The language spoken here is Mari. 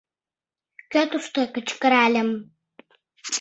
— Кӧ тушто? — кычкыральым.